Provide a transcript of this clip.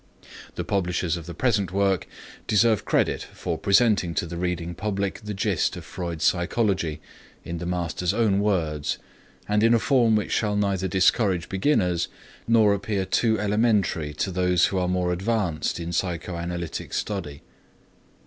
The publishers of the present book deserve credit for presenting to the reading public the gist of Freud's psychology in the master's own words, and in a form which shall neither discourage beginners, nor appear too elementary to those who are more advanced in psychoanalytic study.